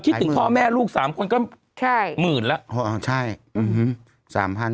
คิดถึงพ่อแม่ลูกสามคนก็ใช่หมื่นแล้วใช่อืมสามพัน